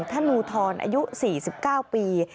ธนูทรอายุ๔๙ปี